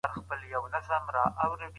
حقوقپوهان چیري د ازادي سوداګرۍ خبري کوي؟